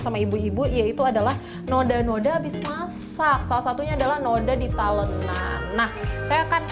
sama ibu ibu yaitu adalah noda noda habis masak salah satunya adalah noda di talenan nah saya akan